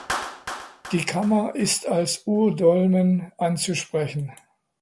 Die Kammer ist als Urdolmen anzusprechen.